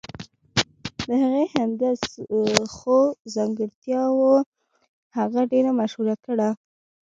د هغې همدې ښو ځانګرتياوو هغه ډېره مشهوره کړه.